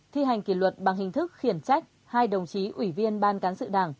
thi hành kỷ luật bằng hình thức khiển trách hai đồng chí ủy viên ban cán sự đảng